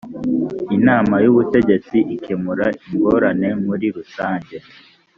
inama y’ubutegetsi ikemura ingorane muri rusange